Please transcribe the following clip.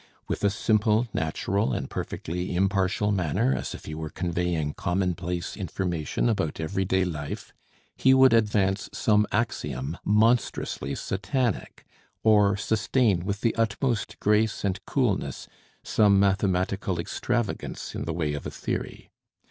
With a simple, natural, and perfectly impartial manner, as if he were conveying commonplace information about every day life, he would advance some axiom monstrously Satanic, or sustain, with the utmost grace and coolness, some mathematical extravagance in the way of a theory.